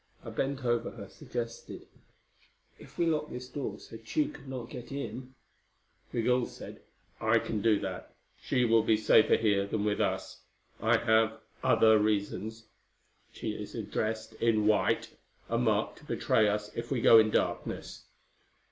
I bent over her; suggested, "If we locked this door so Tugh could not get in " Migul said, "I can do that. She will be safer here than with us. I have other reasons. She is dressed in white a mark to betray us if we go in darkness.